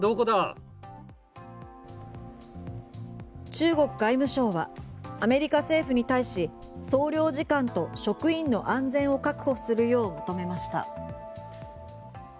中国外務省はアメリカ政府に対し総領事館と職員の安全を確保するよう求めました。